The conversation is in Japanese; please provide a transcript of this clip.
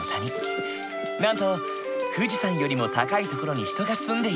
なんと富士山よりも高い所に人が住んでいる。